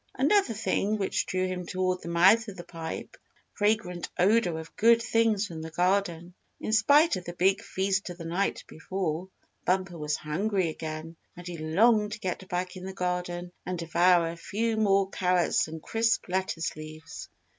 Another thing which drew him toward the mouth of the pipe was the fragrant odor of good things from the garden. In spite of the big feast of the night before, Bumper was hungry again, and he longed to get back in the garden and devour a few more carrots and crisp lettuce leaves.